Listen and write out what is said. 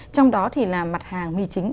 trong đó thì là mặt hàng mì chính